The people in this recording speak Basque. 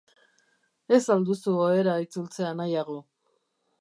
Ez al duzu ohera itzultzea nahiago?